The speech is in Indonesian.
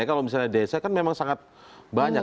kalau misalnya desa kan memang sangat banyak